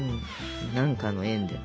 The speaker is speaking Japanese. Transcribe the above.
何かの縁で。